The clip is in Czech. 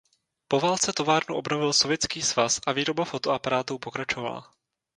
Po válce továrnu obnovil Sovětský svaz a výroba fotoaparátů pokračovala.